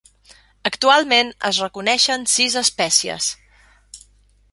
Actualment es reconeixen sis espècies.